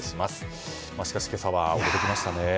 しかし、今朝は驚きましたね。